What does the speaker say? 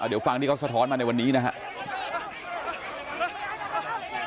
เดี๋ยวฟังที่เขาสะท้อนมาในวันนี้นะครับ